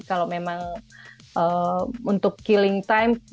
kalau memang untuk killing time